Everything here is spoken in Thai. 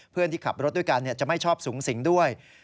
เพื่อนที่ขับรถด้วยกันจะไม่ชอบสูงสิงด้วย